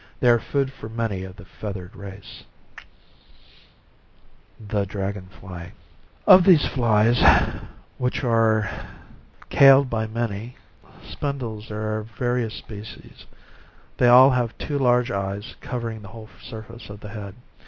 They are food for many of the feathered race. DRAGON FLY Of these flies, which are cai led by many. Spindles, there are various species. They all have two lar^e eyes, covering the whole surface of the head.